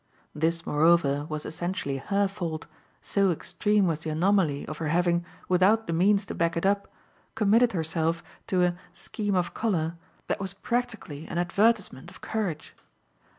This moreover was essentially her fault, so extreme was the anomaly of her having, without the means to back it up, committed herself to a "scheme of colour" that was practically an advertisement of courage.